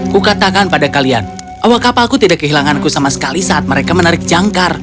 kukatakan pada kalian awak kapalku tidak kehilanganku sama sekali saat mereka menarik jangkar